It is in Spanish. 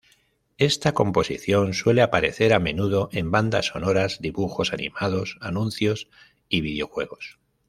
Esta composición suele aparecer a menudo en bandas sonoras, dibujos animados, anuncios y videojuegos.